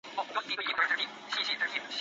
宋高宗诏张俊援楚州。